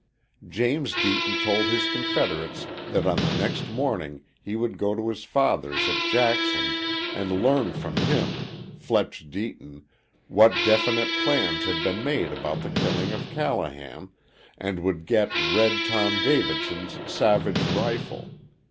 James Deaton told his confederates that on the next morning he would go to his father's at Jackson, and learn from him, Fletch Deaton, what definite plans had been made about the killing of Callahan, and would get "Red Tom" Davidson's Savage rifle.